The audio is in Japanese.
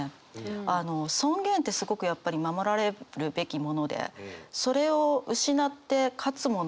あの尊厳ってすごくやっぱり守られるべきものでそれを失って勝つものってあるのか？